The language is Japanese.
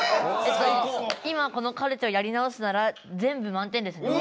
今このカルテをやり直すなら全部満点ですね。